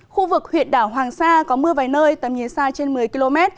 khu vực huyện đảo hoàng sa có mưa vài nơi tầm nhìn xa trên một mươi km